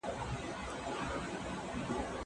زه مخکي چپنه پاک کړې وه!!